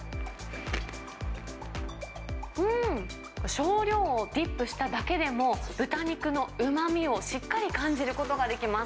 少量をディップしただけでも、豚肉のうまみをしっかり感じることができます。